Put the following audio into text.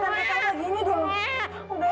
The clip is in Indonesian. kamu bayi prematur